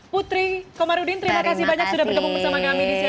putri komarudin terima kasih banyak sudah bergabung bersama kami di cnn indonesia